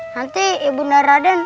nanti ibunya raden